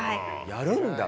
やるんだ？